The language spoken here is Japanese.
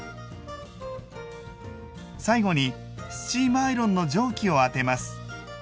最後にスチームアイロンの蒸気を当てます。